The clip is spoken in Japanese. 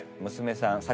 娘さん。